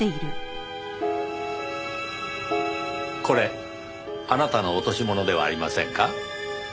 これあなたの落とし物ではありませんか？